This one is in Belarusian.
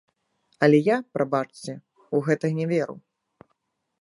Але я, прабачце, у гэта не веру.